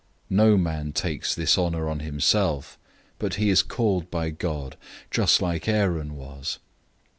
005:004 Nobody takes this honor on himself, but he is called by God, just like Aaron was.